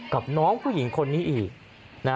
กับน้องผู้หญิงคนนี้อีก